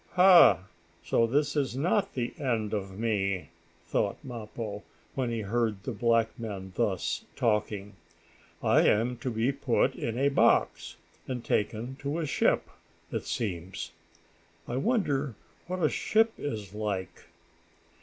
"Ha! So this is not the end of me!" thought Mappo, when he heard the black men thus talking. "I am to be put in a box, and taken to a ship, it seems. I wonder what a ship is like.